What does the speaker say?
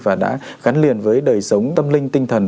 và đã gắn liền với đời sống tâm linh tinh thần